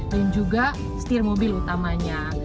dan juga setir mobil utamanya